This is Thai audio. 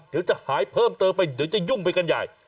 เดี๋ยวจะหายเพิ่มเติมไปเดี๋ยวจะยุ่งไปกันใหญ่